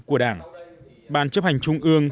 của đảng bàn chấp hành trung ương